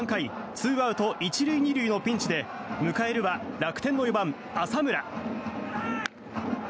ツーアウト１塁２塁のピンチで迎えるは楽天の４番、浅村。